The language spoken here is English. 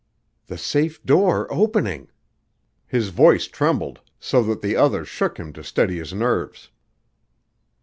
"The safe door opening." His voice trembled so that the other shook him to steady his nerves.